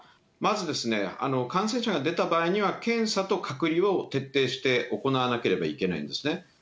まず感染者が出た場合には、検査と隔離を徹底して行わなければいけないんですね。